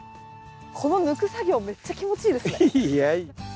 この抜く作業めっちゃ気持ちいいですね。